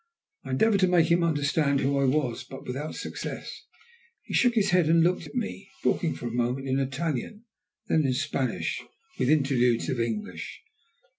I endeavoured to make him understand who I was, but without success. He shook his head and looked at me, talking for a moment in Italian, then in Spanish, with interludes of English.